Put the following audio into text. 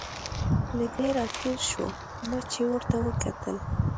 له ده را تېر شو، ما چې ورته وکتل.